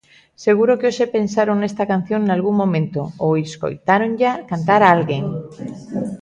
Seguro que hoxe pensaron nesta canción nalgún momento, ou escoitáronlla cantar a alguén.